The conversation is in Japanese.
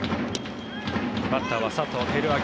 バッターは佐藤輝明